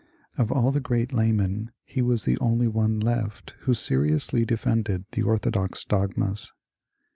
Of all the great laymen he was the only one left who seriously defended the orthodox dogmas.